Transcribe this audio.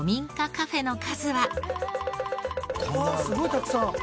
うわあすごいたくさん！